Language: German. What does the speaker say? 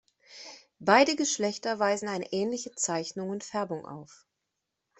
Beide Geschlechter weisen eine ähnliche Zeichnung und Färbung auf.